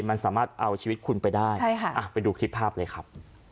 มันสามารถเอาชีวิตคุณไปได้ใช่ค่ะไปดูคลิปภาพเลยครับ